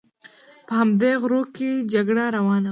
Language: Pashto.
په همدې غرو کې جګړه روانه وه.